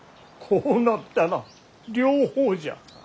こうなったら両方じゃ。